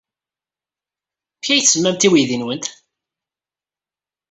Amek ay as-tsemmamt i uydi-nwent?